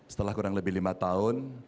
setelah kurang lebih lima tahun